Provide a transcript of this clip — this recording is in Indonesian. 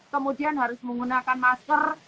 kemudian harus menggunakan masker